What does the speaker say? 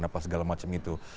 apa segala macam itu